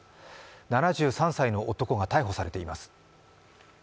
７３歳の男が逮捕されています。